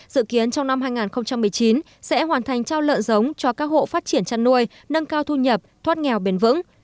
dự kiến trong năm hai nghìn một mươi chín sẽ hoàn thành trao lợn giống cho các hộ phát triển chăn nuôi nâng cao thu nhập thoát nghèo bền vững